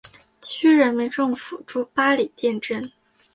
区人民政府驻八里店镇。